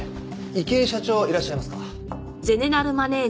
池井社長いらっしゃいますか？